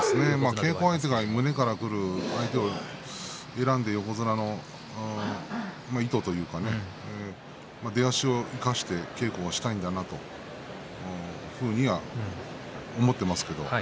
稽古相手が胸からくるものを選んで横綱の意図というか出足を生かして稽古をしたんだなと思います。